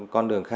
con đường khí